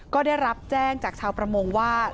ก็ได้รับแจ้งจากชาวประมงว่า